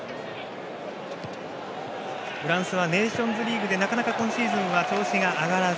フランスはネーションズリーグでなかなか今シーズンは調子が上がらず。